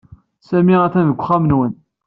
Sami atan deg uxxam-nwen.